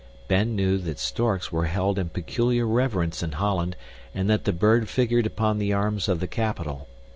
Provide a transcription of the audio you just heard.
Ben knew that storks were held in peculiar reverence in Holland and that the bird figured upon the arms of the capital.